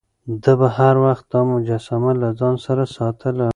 ده به هر وخت دا مجسمه له ځان سره ساتله.